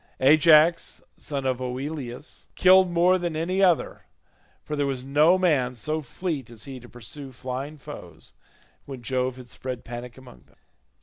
Ajax son of Oileus killed more than any other, for there was no man so fleet as he to pursue flying foes when Jove had spread panic among them.